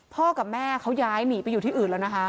กับแม่เขาย้ายหนีไปอยู่ที่อื่นแล้วนะคะ